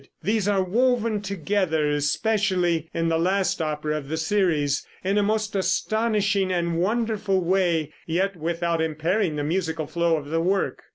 These are woven together, especially in the last opera of the series, in a most astonishing and wonderful way, yet without impairing the musical flow of the work.